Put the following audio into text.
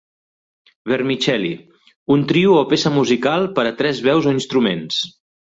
Vermicelli: un trio o peça musical per a tres veus o instruments